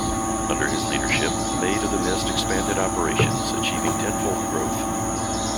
Under his leadership, Maid of the Mist expanded operations, achieving ten-fold growth.